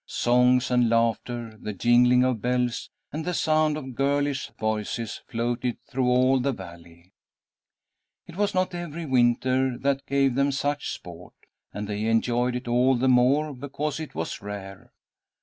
Songs and laughter, the jingling of bells and the sound of girlish voices floated through all the valley. It was not every winter that gave them such sport, and they enjoyed it all the more because it was rare.